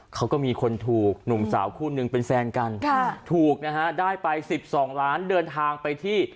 เขาก็มีคนถูกหนุ่มสาวคู่นึงเป็นแฟนกันถูกนะฮะได้ไป๑๒ล้านเดินทางไปที่